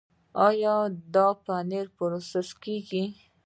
آیا د پنبې پروسس کیږي؟